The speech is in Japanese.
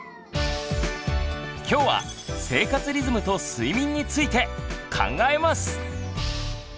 きょうは生活リズムと睡眠について考えます！